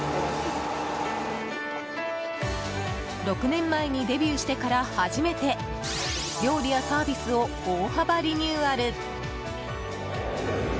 ６年前にデビューしてから初めて料理やサービスを大幅リニューアル。